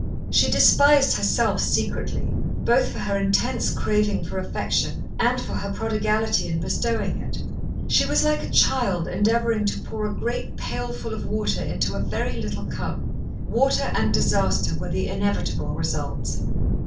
She despised herself secretly, both for her intense craving for affection and for her prodigality in bestowing it. She was like a child endeavouring to pour a great pailful of water into a very little cup. Waste and disaster were the inevitable results.